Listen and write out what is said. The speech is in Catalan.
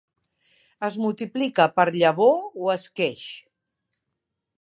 Es multiplica per llavor o esqueix.